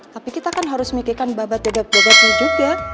tapi kita kan harus mikirkan babat babatnya juga